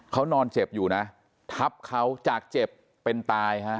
เขานอนเจ็บอยู่นะทับเขาจากเจ็บเป็นตายฮะ